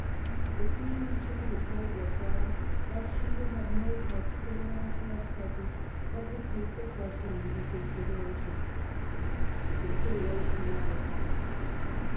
The Queen returned a cold reply " that she would give no particular answer at present, but would take the request into consideration." The consideration never came.